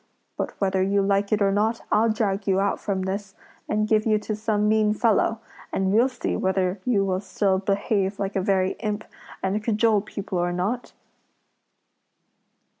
But whether you like it or not, I'll drag you out from this, and give you to some mean fellow, and we'll see whether you will still behave like a very imp, and cajole people or not?"